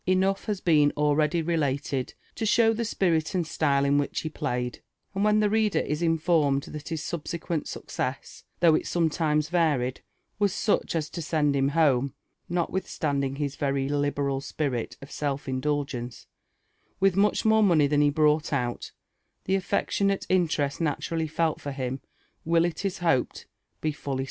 Enough has been, already related to show the spiri( and s(yle in which he played; and when the reader is informed that his subsequent success, though U somelimea varied, was such as to send him home, notwithstanding his very liberal spirit of self isdul^ gence, with much more mofiey than he brought out, the afTeclioiiate interest naturally felt for him will, it is hoped, be fully aatiaGad.